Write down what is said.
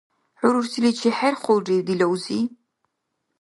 ХӀу рурсиличи хӀерхулрив, дила узи?